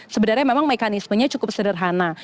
sebenarnya memang mekanismenya cukup sederhana